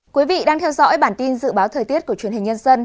quý vị đang theo dõi bản tin dự báo thời tiết của truyền hình nhân dân